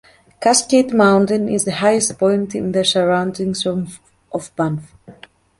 Cascade Mountain is the highest point in the surroundings of Banff.